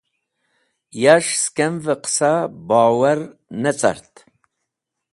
Yas̃h sakmvẽ qẽsa bowar ne cart.